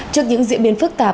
trước những diễn biến phức tạp